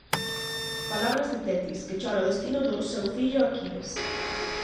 Palabras de Tetis, que chora o destino do seu fillo Aquiles.